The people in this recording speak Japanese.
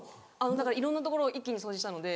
いろんな所を一気に掃除したので。